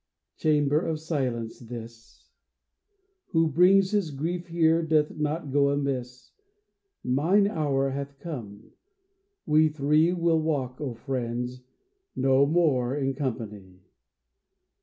*' Chamber of Silence, this ; Who brings his Grief here doth not go amiss. Mine hour hath come. We three Will walk, O friends, no more in company."